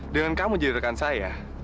dengan kamu jadi rekan saya